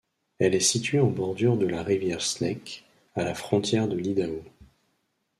Elle est située en bordure de la rivière Snake, à la frontière de l'Idaho.